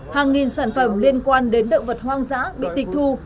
hàng nghìn sản phẩm liên quan đến động vật hoang dã bị tịch thu